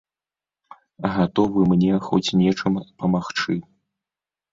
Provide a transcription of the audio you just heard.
Гатовы мне хоць нечым памагчы.